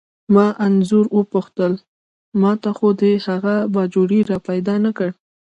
ما انځور وپوښتل: ما ته خو دې هغه باجوړی را پیدا نه کړ؟